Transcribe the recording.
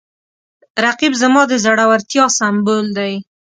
رقیب زما د زړورتیا سمبول دی